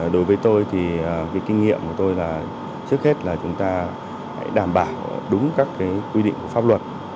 đối với tôi kinh nghiệm của tôi là trước hết chúng ta đảm bảo đúng các quy định pháp luật